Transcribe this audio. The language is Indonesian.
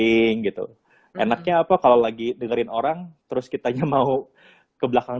buka aja meeting gitu enaknya apa kalau lagi dengerin orang terus kitanya mau ke belakang